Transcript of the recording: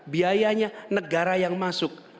biayanya negara yang masuk